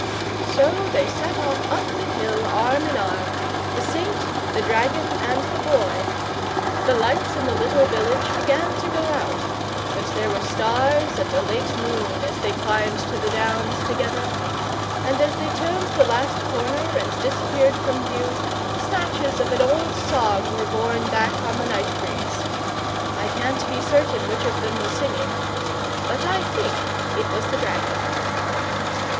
So they set off up the hill arm in arm, the Saint, the Dragon, and the Boy. The lights in the little village began to go out; but there were stars, and a late moon, as they climbed to the Downs together. And, as they turned the last corner and disappeared from view, snatches of an old song were borne back on the night breeze. I can't be certain which of them was singing, but I THINK it was the Dragon!